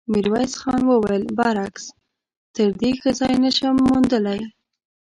ميرويس خان وويل: برعکس، تر دې ښه ځای نه شم موندلی.